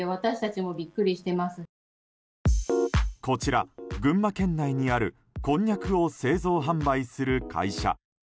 こちら、群馬県内にあるこんにゃくを製造・販売する会社。